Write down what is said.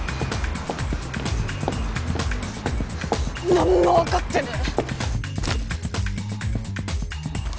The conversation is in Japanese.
何も分かってねえ！